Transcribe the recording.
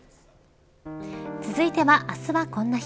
続いては、あすはこんな日。